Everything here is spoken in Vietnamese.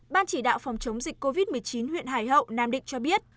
ban chỉ đạo phòng chống dịch covid một mươi chín huyện hải hậu nam định cho biết